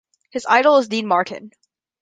His idol is Dean Martin.